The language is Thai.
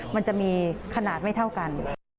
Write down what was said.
มันจะมีขนาดไม่เท่ากัน